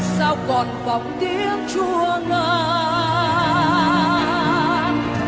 sao còn vọng tiếng chua ngang